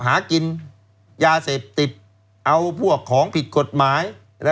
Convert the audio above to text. หากินยาเสพติดเอาพวกของผิดกฎหมาย